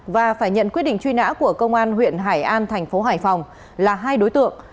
và phải nhận quyết định truy nã của công an huyện hải an thành phố hải phòng là hai đối tượng